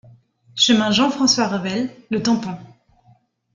Chemin Jean-Francois Revel, Le Tampon